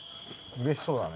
塙：うれしそうだね。